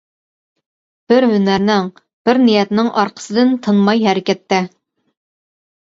بىر ھۈنەرنىڭ، بىر نىيەتنىڭ ئارقىسىدىن تىنماي ھەرىكەتتە.